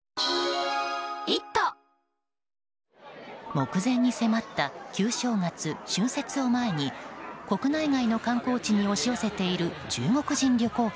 目前に迫った旧正月春節を前に国内外の観光地に押し寄せている中国人旅行客。